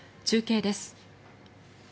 中継です。